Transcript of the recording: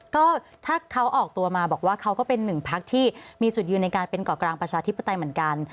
ก็ถ้าเขาออกตัวมาบอกว่าเขาก็เป็นหนึ่งพักที่มีจุดยืนในการเป็นเกาะกลางประชาธิปไตยเหมือนกัน